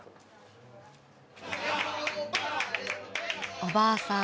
おばあさん